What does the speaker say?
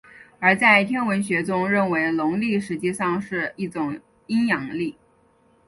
而在天文学中认为农历实际上是一种阴阳历。